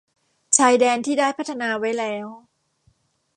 ชายแดนที่ได้พัฒนาไว้แล้ว